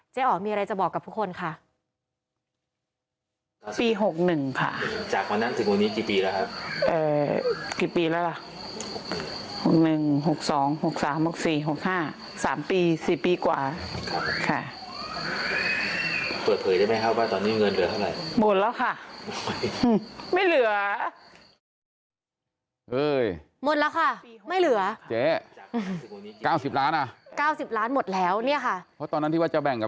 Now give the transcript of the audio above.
อ๋อมีอะไรจะบอกกับทุกคนค่ะ